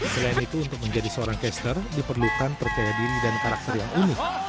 selain itu untuk menjadi seorang caster diperlukan percaya diri dan karakter yang unik